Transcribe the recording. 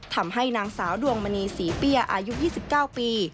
ทำให้นางสาวดวงมณีศรีเปี้ยอายุ๒๙ปี